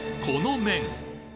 この麺